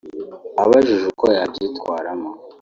Abajijwe uko yabyitwaramo